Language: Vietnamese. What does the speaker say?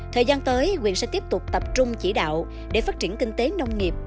thời gian tới quyền sẽ tiếp tục tập trung chỉ đạo để phát triển kinh tế nông nghiệp